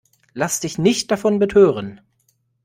Lass dich nicht davon betören!